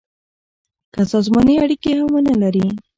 که سازماني اړیکي هم ونه لري.